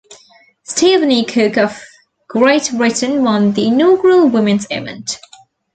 Stephanie Cook of Great Britain won the inaugural women's event.